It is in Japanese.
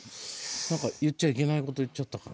何か言っちゃいけないこと言っちゃったかな。